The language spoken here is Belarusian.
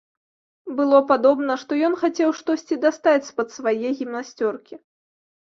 Было падобна, што ён хацеў штосьці дастаць з-пад свае гімнасцёркі.